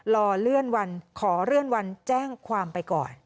รอเลื่อนวันขอเลื่อนวันแจ้งความไปก่อน